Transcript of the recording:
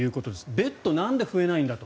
ベッド、なんで増えないんだと。